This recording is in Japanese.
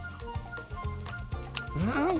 うん！